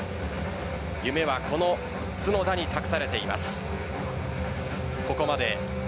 夢はこの角田に託されています。